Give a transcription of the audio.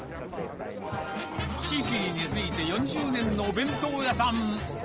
地域に根付いて４０年のお弁当屋さん。